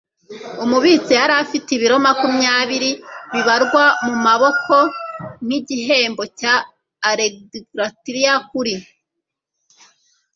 umubitsi yari afite ibiro makumyabiri bibarwa mumaboko nkigihembo cya exgratia kuri